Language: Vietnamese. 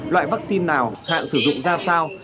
loại vaccine nào hạn sử dụng ra sao